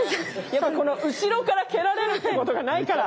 やっぱ後ろから蹴られるってことがないから。